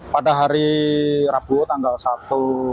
pada hari rabu tanggal satu